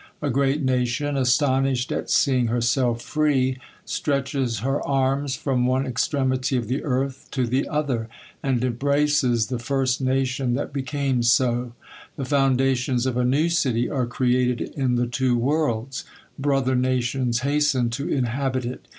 A great nation, astonished at seeing herself free, stretches her arms from one extremity of the earth to the other, and embraces the first nation that became so : the foundations of a new city are cre ated in the two worlds ; brother nations hasten to in habit it.